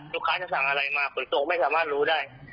ลูกค้าจะสั่งอะไรมาฝนตกไม่สามารถรู้ได้